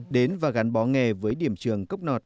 đến và gắn bó nghề với điểm trường cốc nọt